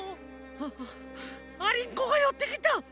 ああありんこがよってきた。